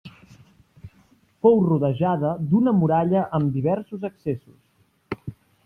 Fou rodejada d'una muralla amb diversos accessos.